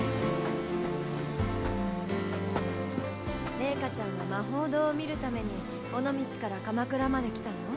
レイカちゃんはＭＡＨＯ堂を見るために尾道から鎌倉まで来たの？